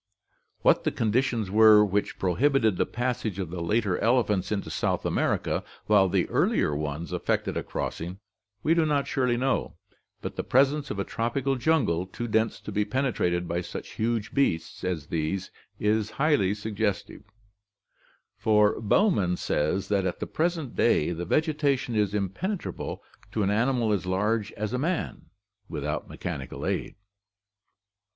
What the conditions were which prohibited the passage of the later elephants into South America, while the earlier ones effected a crossing, we do not surely know, but the presence of a tropical jungle too dense to be penetrated by such huge beasts as these is highly suggestive, for Bowman says that at the present day the vegetation is impenetrable to an animal as large as a man, without mechanical aid.